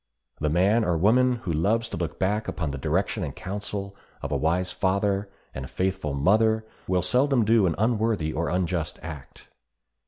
The man or woman who loves to look back upon the direction and counsel of a wise father and faithful mother will seldom do an unworthy or unjust act.